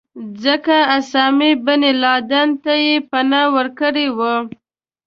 ځکه اسامه بن لادن ته یې پناه ورکړې وه.